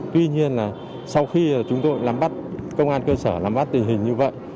tuy nhiên là sau khi chúng tôi làm bắt công an cơ sở làm bắt tình hình như vậy